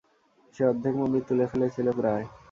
সে অর্ধেক মন্দির তুলে ফেলেছিল প্রায়।